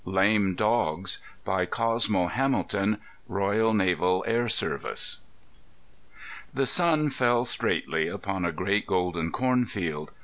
Lame Dogs By Cosmo Hamilton Royal Naval Air Service The sun fell straightly upon a great golden cornfield.